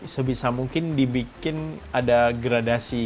sebisa mungkin dibikin ada gradasi